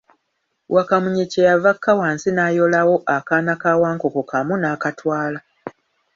Wakamunye kye yava akka wansi n'ayoolawo akaaana ka Wankoko kamu n'akatwala.